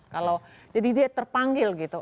kalau jadi dia terpanggil gitu